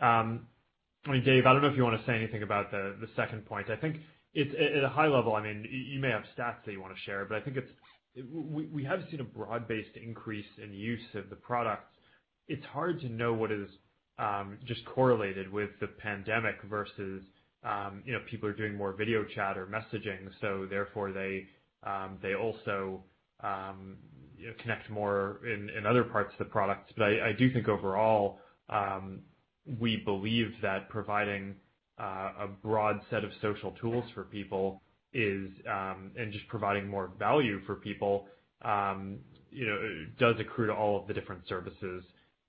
I mean, Dave, I don't know if you wanna say anything about the second point. I think it's at a high level, I mean, you may have stats that you wanna share, but we have seen a broad-based increase in use of the products. It's hard to know what is just correlated with the pandemic versus, you know, people are doing more video chat or messaging, so therefore they they also, you know, connect more in other parts of the product. But I do think overall, we believe that providing a broad set of social tools for people is and just providing more value for people, you know, does accrue to all of the different services.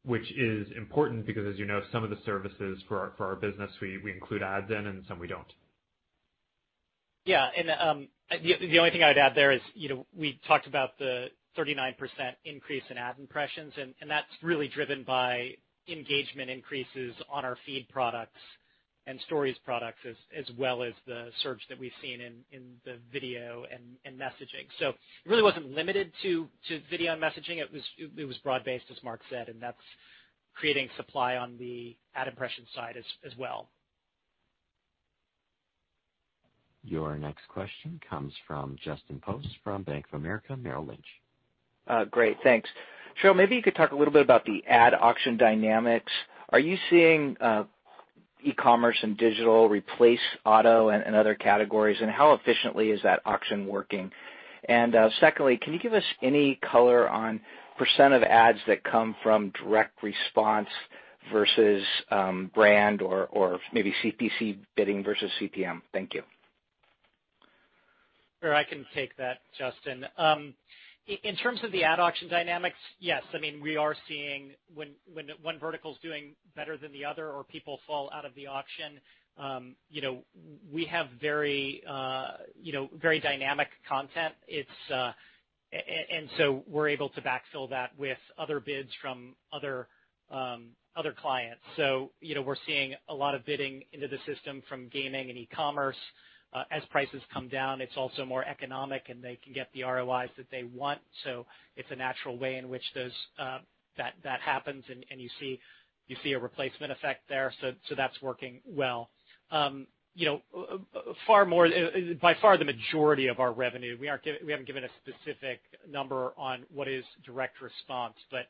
Which is important because as you know, some of the services for our business, we include ads in and some we don't. Yeah. The only thing I'd add there is, you know, we talked about the 39% increase in ad impressions, and that's really driven by engagement increases on our feed products and stories products, as well as the surge that we've seen in the video and messaging. It really wasn't limited to video and messaging. It was broad-based, as Mark said, and that's creating supply on the ad impression side as well. Your next question comes from Justin Post from Bank of America Merrill Lynch. Great, thanks. Sheryl, maybe you could talk a little bit about the ad auction dynamics. Are you seeing e-commerce and digital replace auto and other categories? How efficiently is that auction working? Secondly, can you give us any color on percent of ads that come from direct response versus brand or maybe CPC bidding versus CPM? Thank you. Sure. I can take that, Justin. In terms of the ad auction dynamics, yes, I mean, we are seeing when one vertical is doing better than the other or people fall out of the auction, you know, we have very, you know, very dynamic content. It's and so we're able to backfill that with other bids from other clients. You know, we're seeing a lot of bidding into the system from gaming and e-commerce. As prices come down, it's also more economic, and they can get the ROIs that they want. It's a natural way in which those that happens. You see a replacement effect there. That's working well. You know, by far, the majority of our revenue, we haven't given a specific number on what is direct response, but,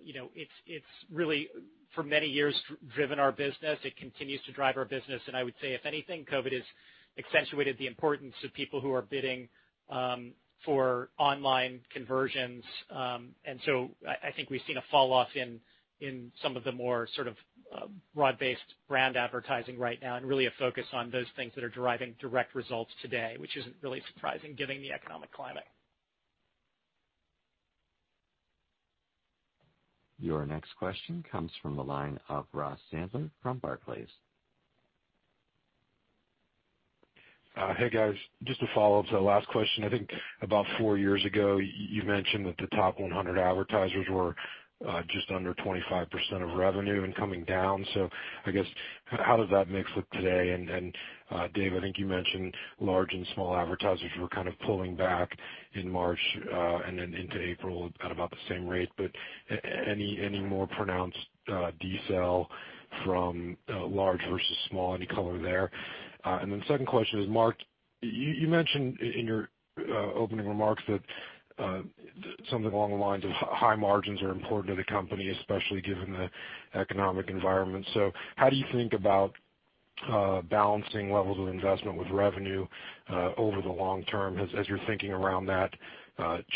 you know, it's really for many years driven our business. It continues to drive our business. I would say, if anything, COVID has accentuated the importance to people who are bidding for online conversions. I think we've seen a falloff in some of the more sort of broad-based brand advertising right now, and really a focus on those things that are deriving direct results today, which isn't really surprising given the economic climate. Your next question comes from the line of Ross Sandler from Barclays. Hey, guys. Just a follow-up to that last question. I think about four years ago, you mentioned that the top 100 advertisers were just under 25% of revenue and coming down. I guess how does that mix look today? Then, Dave, I think you mentioned large and small advertisers were kind of pulling back in March and then into April at about the same rate. Any more pronounced decel from large versus small? Any color there? Second question is, Mark, you mentioned in your opening remarks that something along the lines of high margins are important to the company, especially given the economic environment. How do you think about balancing levels of investment with revenue over the long term? Has your thinking around that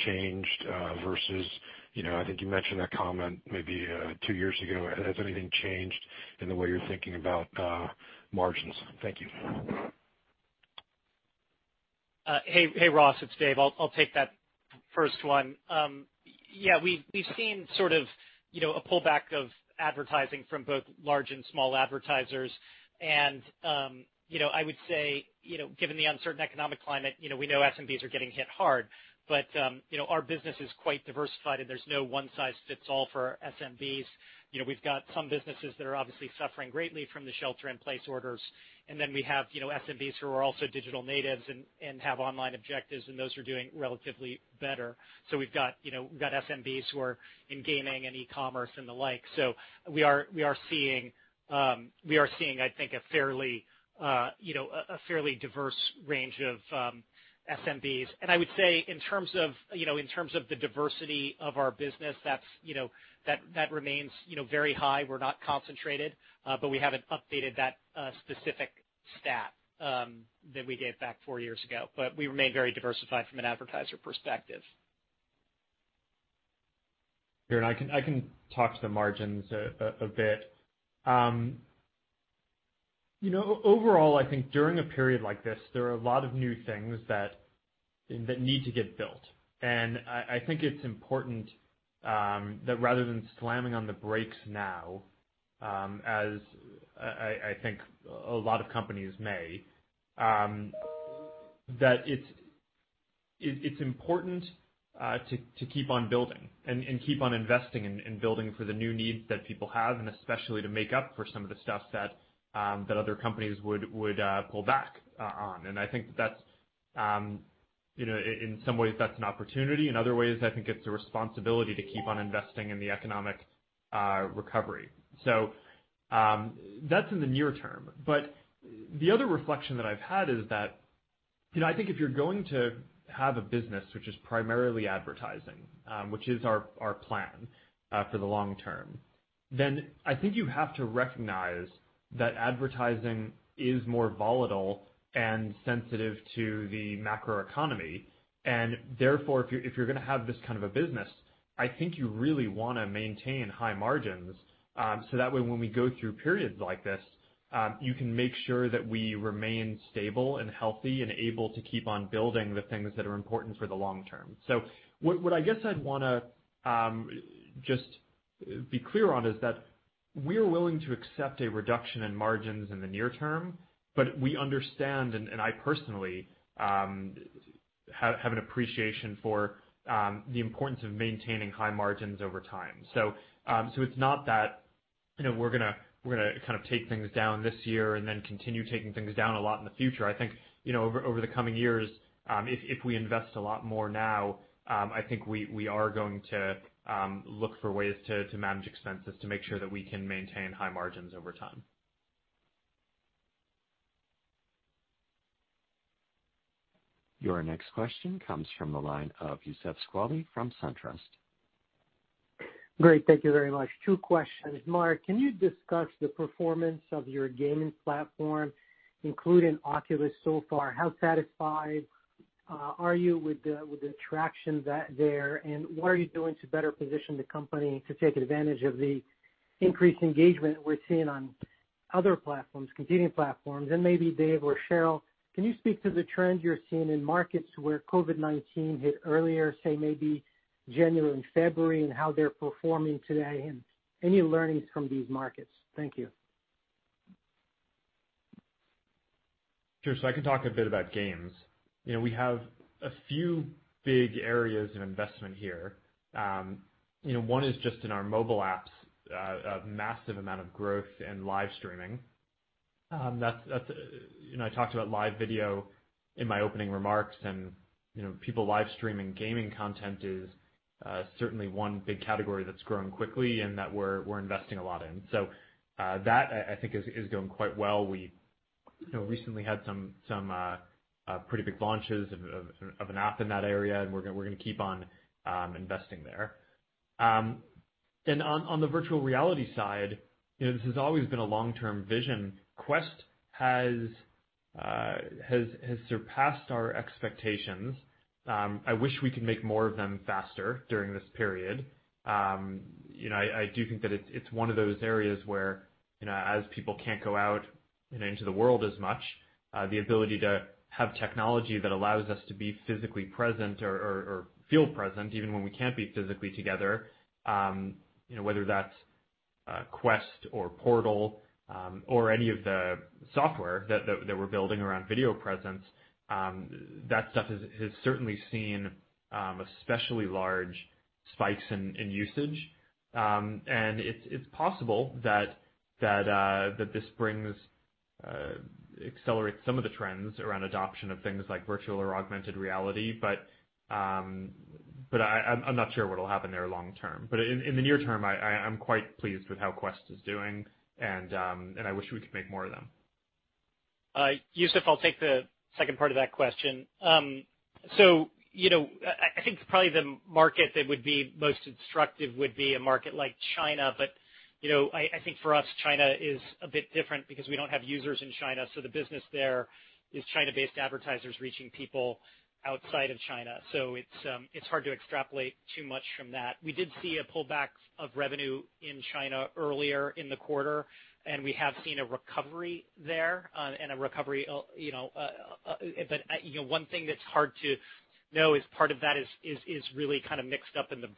changed versus, you know, I think you mentioned that comment maybe two years ago? Has anything changed in the way you're thinking about margins? Thank you. Hey, Ross, it's Dave. I'll take that first one. Yeah, we've seen sort of, you know, a pullback of advertising from both large and small advertisers. I would say, you know, given the uncertain economic climate, you know, we know SMBs are getting hit hard. Our business is quite diversified, and there's no one-size-fits-all for SMBs. We've got some businesses that are obviously suffering greatly from the shelter in place orders. We have, you know, SMBs who are also digital natives and have online objectives, and those are doing relatively better. We've got, you know, SMBs who are in gaming and e-commerce and the like. We are seeing, I think, a fairly, you know, a fairly diverse range of SMBs. I would say in terms of, you know, in terms of the diversity of our business, that's, you know, that remains, you know, very high. We're not concentrated. We haven't updated that specific stat that we gave back four years ago. We remain very diversified from an advertiser perspective. Here, I can talk to the margins a bit. You know, overall, I think during a period like this, there are a lot of new things that need to get built. I think it's important that rather than slamming on the brakes now, as I think a lot of companies may, that it's important to keep on building and keep on investing and building for the new needs that people have, and especially to make up for some of the stuff that other companies would pull back on. I think that's, you know, in some ways, that's an opportunity. In other ways, I think it's a responsibility to keep on investing in the economic recovery. That's in the near term. The other reflection that I've had is that, you know, I think if you're going to have a business which is primarily advertising, which is our plan for the long term, then I think you have to recognize that advertising is more volatile and sensitive to the macroeconomy. Therefore, if you're gonna have this kind of a business, I think you really wanna maintain high margins. That way when we go through periods like this, you can make sure that we remain stable and healthy and able to keep on building the things that are important for the long term. What I guess I'd wanna just be clear on is that. We are willing to accept a reduction in margins in the near term, but we understand, and I personally have an appreciation for the importance of maintaining high margins over time. It's not that, you know, we're gonna kind of take things down this year and then continue taking things down a lot in the future. I think, you know, over the coming years, if we invest a lot more now, I think we are going to look for ways to manage expenses to make sure that we can maintain high margins over time. Your next question comes from the line of Youssef Squali from SunTrust. Great. Thank you very much. Two questions. Mark, can you discuss the performance of your gaming platform, including Oculus so far? How satisfied are you with the traction that there? What are you doing to better position the company to take advantage of the increased engagement we're seeing on other platforms, competing platforms? Maybe Dave or Sheryl, can you speak to the trends you're seeing in markets where COVID-19 hit earlier, say maybe January and February, and how they're performing today, and any learnings from these markets? Thank you. Sure. I can talk a bit about games. You know, we have a few big areas of investment here. You know, one is just in our mobile apps, a massive amount of growth and live streaming. That's, you know, I talked about live video in my opening remarks and, you know, people live streaming gaming content is certainly one big category that's growing quickly and that we're investing a lot in. That I think is going quite well. We, you know, recently had some pretty big launches of an app in that area, and we're gonna keep on investing there. Then on the virtual reality side, you know, this has always been a long-term vision. Quest has surpassed our expectations. I wish we could make more of them faster during this period. You know, I do think that it's one of those areas where, you know, as people can't go out, you know, into the world as much, the ability to have technology that allows us to be physically present or, or feel present even when we can't be physically together, you know, whether that's Quest or Portal, or any of the software that we're building around video presence, that stuff has certainly seen especially large spikes in usage. It's possible that this brings accelerates some of the trends around adoption of things like virtual or augmented reality. I'm not sure what'll happen there long term. In the near term, I am quite pleased with how Quest is doing and I wish we could make more of them. Youssef, I'll take the second part of that question. you know, I think probably the market that would be most instructive would be a market like China. you know, I think for us, China is a bit different because we don't have users in China, the business there is China-based advertisers reaching people outside of China. it's hard to extrapolate too much from that. We did see a pullback of revenue in China earlier in the quarter, and we have seen a recovery there, and a recovery, you know, but, you know, one thing that's hard to know is part of that is really kind of mixed up in the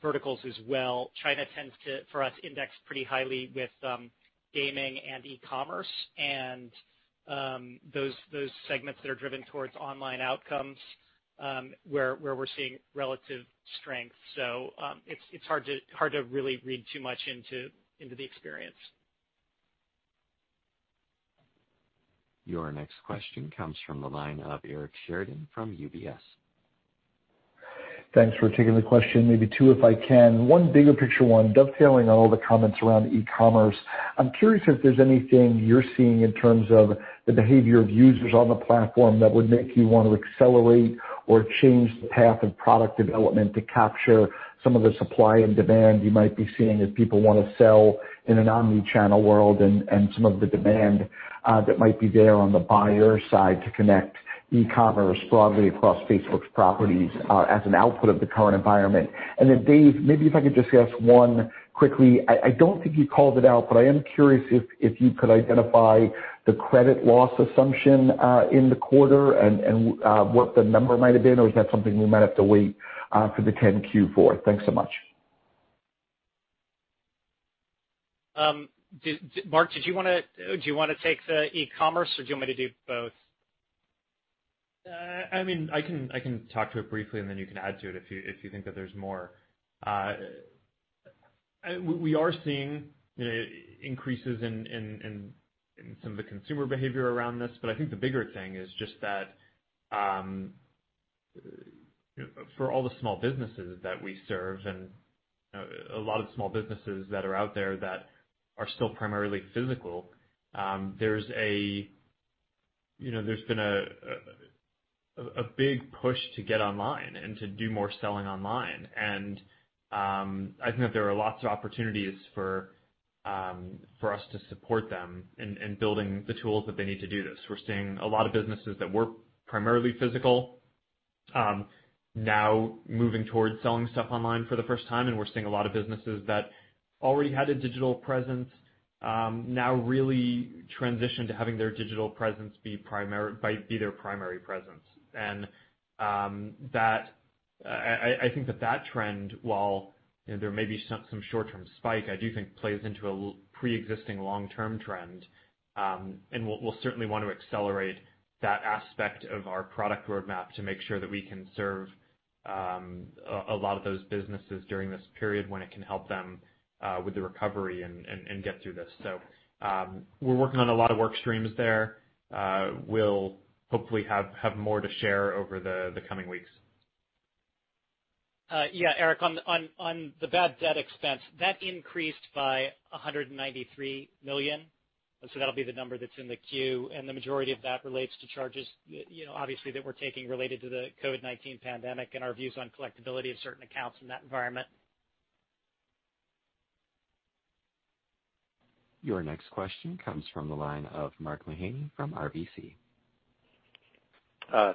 verticals as well. China tends to, for us, index pretty highly with gaming and e-commerce and those segments that are driven towards online outcomes, where we're seeing relative strength. It's hard to really read too much into the experience. Your next question comes from the line of Eric Sheridan from UBS. Thanks for taking the question. Maybe two, if I can. One bigger picture one, dovetailing on all the comments around e-commerce. I'm curious if there's anything you're seeing in terms of the behavior of users on the platform that would make you want to accelerate or change the path of product development to capture some of the supply and demand you might be seeing as people wanna sell in an omni-channel world and some of the demand that might be there on the buyer side to connect e-commerce broadly across Facebook's properties as an output of the current environment. Dave, maybe if I could just ask 1 quickly. I don't think you called it out, but I am curious if you could identify the credit loss assumption in the quarter and what the number might have been, or is that something we might have to wait for the 10-Q for? Thanks so much. Mark, do you wanna take the e-commerce or do you want me to do both? I mean, I can talk to it briefly, and then you can add to it if you think that there's more. We are seeing increases in some of the consumer behavior around this. I think the bigger thing is just that, you know, for all the small businesses that we serve and a lot of small businesses that are out there that are still primarily physical, there's a, you know, there's been a big push to get online and to do more selling online. I think that there are lots of opportunities for us to support them in building the tools that they need to do this. We're seeing a lot of businesses that were primarily physical, now moving towards selling stuff online for the first time, we're seeing a lot of businesses that already had a digital presence, now really transition to having their digital presence be their primary presence. I think that that trend, while, you know, there may be some short-term spike, I do think plays into a preexisting long-term trend. We'll certainly want to accelerate that aspect of our product roadmap to make sure that we can serve a lot of those businesses during this period, when it can help them with the recovery and get through this. We're working on a lot of work streams there. We'll hopefully have more to share over the coming weeks. Eric, on the bad debt expense, that increased by $193 million. That'll be the number that's in the Q, and the majority of that relates to charges, you know, obviously, that we're taking related to the COVID-19 pandemic and our views on collectibility of certain accounts in that environment. Your next question comes from the line of Mark Mahaney from RBC.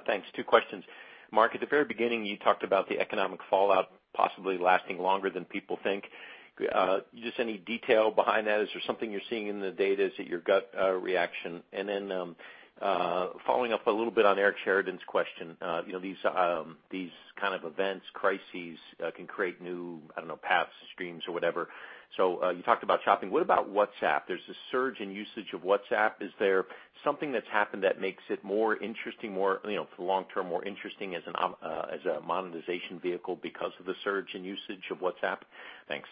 Thanks. Two questions. Mark, at the very beginning, you talked about the economic fallout possibly lasting longer than people think. Just any detail behind that? Is there something you're seeing in the data? Is it your gut reaction? Then, following up a little bit on Eric Sheridan's question, you know, these kind of events, crises, can create new, I don't know, paths, streams or whatever. You talked about shopping. What about WhatsApp? There's a surge in usage of WhatsApp. Is there something that's happened that makes it more interesting, more, you know, for the long term, more interesting as a monetization vehicle because of the surge in usage of WhatsApp? Thanks.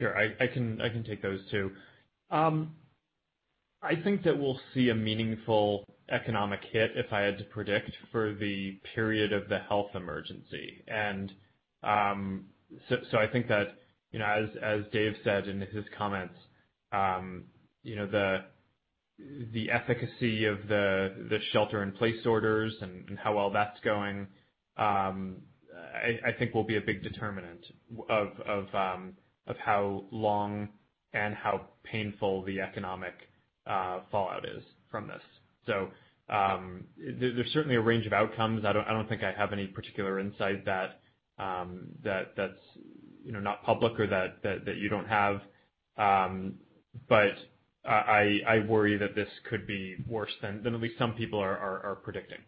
Sure. I can take those two. I think that we'll see a meaningful economic hit, if I had to predict, for the period of the health emergency. I think that, as Dave said in his comments, the efficacy of the shelter in place orders and how well that's going, I think will be a big determinant of how long and how painful the economic fallout is from this. There's certainly a range of outcomes. I don't think I have any particular insight that's not public or that you don't have. But I worry that this could be worse than at least some people are predicting.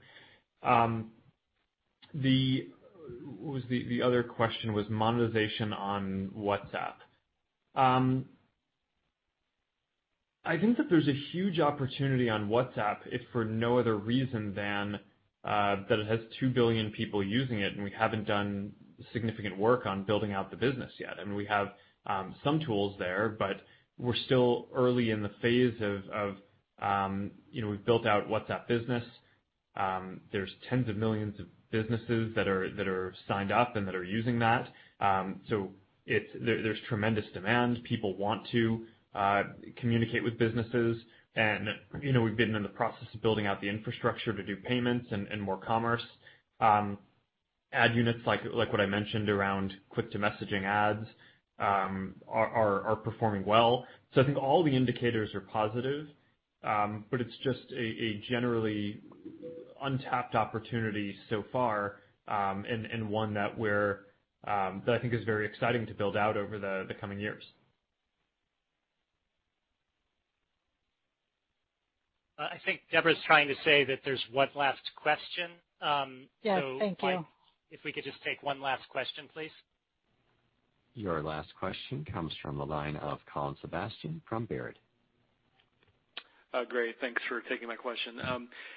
What was the other question was monetization on WhatsApp. I think that there's a huge opportunity on WhatsApp, if for no other reason than that it has 2 billion people using it, and we haven't done significant work on building out the business yet. I mean, we have some tools there, but we're still early in the phase of, you know, we've built out WhatsApp Business. There's tens of millions of businesses that are signed up and that are using that. There's tremendous demand. People want to communicate with businesses. You know, we've been in the process of building out the infrastructure to do payments and more commerce. Ad units like what I mentioned around click-to-messaging ads are performing well. I think all the indicators are positive, but it's just a generally untapped opportunity so far, and one that we're that I think is very exciting to build out over the coming years. I think Deborah's trying to say that there's one last question. Yes. Thank you. If we could just take one last question, please. Your last question comes from the line of Colin Sebastian from Baird. Great. Thanks for taking my question.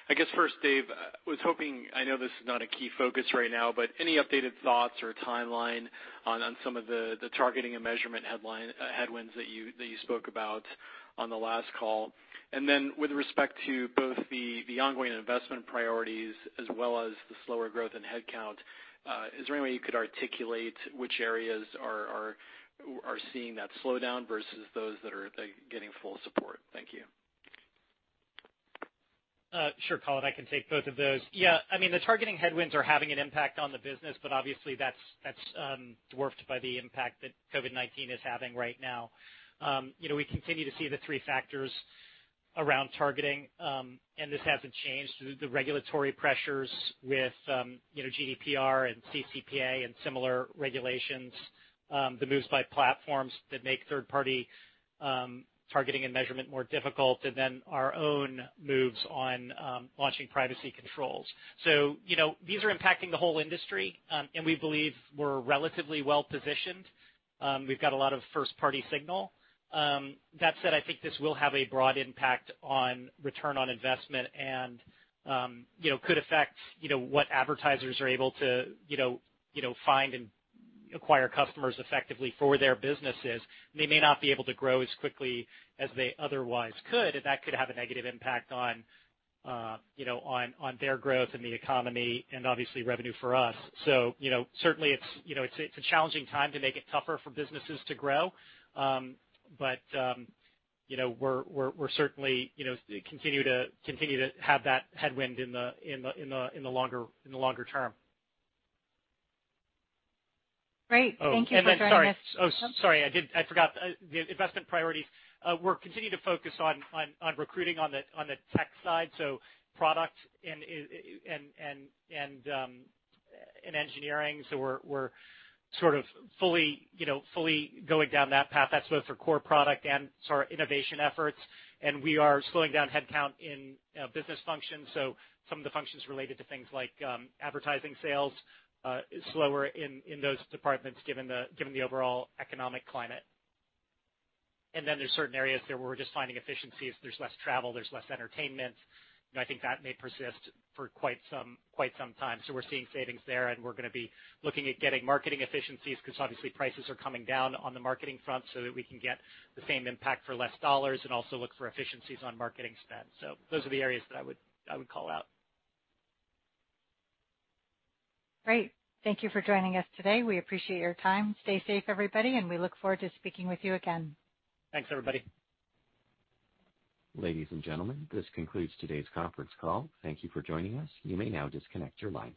I guess first, Dave, I was hoping, I know this is not a key focus right now, but any updated thoughts or timeline on some of the targeting and measurement headline headwinds that you spoke about on the last call? With respect to both the ongoing investment priorities as well as the slower growth in head count, is there any way you could articulate which areas are seeing that slowdown versus those that are, like, getting full support? Thank you. Sure, Colin. I can take both of those. I mean, the targeting headwinds are having an impact on the business. Obviously, that's dwarfed by the impact that COVID-19 is having right now. You know, we continue to see the three factors around targeting, and this hasn't changed. The regulatory pressures with, you know, GDPR and CCPA and similar regulations, the moves by platforms that make third-party targeting and measurement more difficult, then our own moves on launching privacy controls. You know, these are impacting the whole industry. We believe we're relatively well-positioned. We've got a lot of first-party signal. That said, I think this will have a broad impact on ROI and, you know, could affect, you know, what advertisers are able to, you know, find and acquire customers effectively for their businesses. They may not be able to grow as quickly as they otherwise could, and that could have a negative impact on, you know, on their growth and the economy and obviously revenue for us. You know, certainly it's, you know, it's a challenging time to make it tougher for businesses to grow. You know, we're certainly, you know, continue to have that headwind in the longer term. Great. Thank you for joining us. Oh, sorry. Oh, sorry. I forgot the investment priorities. We're continuing to focus on recruiting on the tech side, so product and engineering. We're sort of fully, you know, fully going down that path. That's both for core product and so our innovation efforts. We are slowing down headcount in business functions. Some of the functions related to things like advertising sales, slower in those departments given the overall economic climate. There's certain areas there where we're just finding efficiencies. There's less travel. There's less entertainment. You know, I think that may persist for quite some time. We're seeing savings there, and we're going to be looking at getting marketing efficiencies because obviously prices are coming down on the marketing front so that we can get the same impact for less dollars and also look for efficiencies on marketing spend. Those are the areas that I would call out. Great. Thank you for joining us today. We appreciate your time. Stay safe, everybody. We look forward to speaking with you again. Thanks, everybody. Ladies and gentlemen, this concludes today's conference call. Thank you for joining us. You may now disconnect your lines.